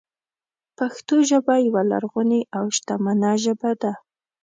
پښتو ژبه یوه لرغونې او شتمنه ژبه ده.